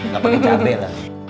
gak pake capek lah